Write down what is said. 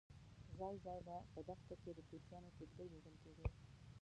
ځای ځای به په دښته کې د کوچیانو کېږدۍ لیدل کېدې.